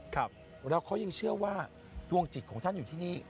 ครับแล้วเขายังเชื่อว่าดวงจิตของท่านอยู่ที่นี่